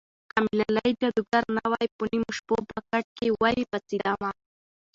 که مې لالی جادوګر نه وای په نیمو شپو به کټ کې ولې پاڅېدمه